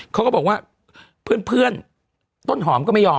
เขาก็บอกว่าเพื่อนต้นหอมก็ไม่ยอม